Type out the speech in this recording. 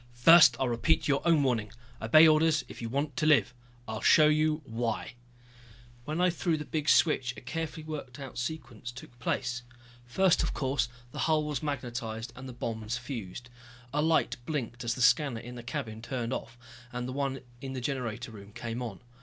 "First I'll repeat your own warning obey orders if you want to live. I'll show you why " When I threw the big switch a carefully worked out sequence took place. First, of course, the hull was magnetized and the bombs fused. A light blinked as the scanner in the cabin turned off, and the one in the generator room came on.